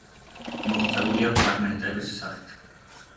მოღწეულია ფრაგმენტების სახით.